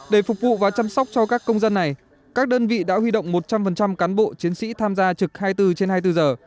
để phục vụ và chăm sóc cho các công dân này các đơn vị đã huy động một trăm linh cán bộ chiến sĩ tham gia trực hai mươi bốn trên hai mươi bốn giờ